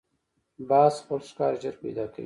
باز خپل ښکار ژر پیدا کوي